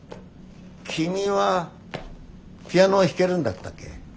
君はピアノは弾けるんだったっけ？